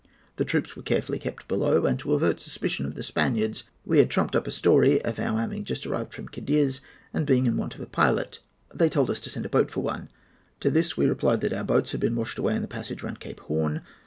The troops were carefully kept below; and, to avert the suspicion of the Spaniards, we had trumped up a story of our having just arrived from Cadiz and being in want of a pilot. They told us to send a boat for one. To this we replied that our boats had been washed away in the passage round Cape Horn.